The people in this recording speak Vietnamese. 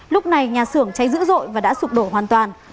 lúc này nhà xưởng cháy dữ dội và đã sụp đổ hoàn toàn